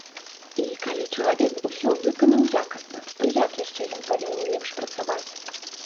І, калі чалавек усё выканаў якасна, то як яшчэ ён павінен лепш працаваць?